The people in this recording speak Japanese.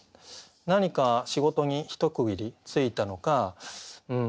何か仕事に一区切りついたのか退職するのか。